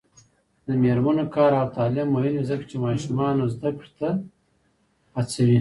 د میرمنو کار او تعلیم مهم دی ځکه چې ماشومانو زدکړې ته هڅوي.